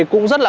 cũng rất là